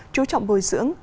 chú trọng bồi dưỡng